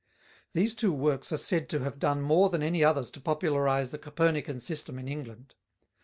These two works are said to have done more than any others to popularize the Copernican system in England.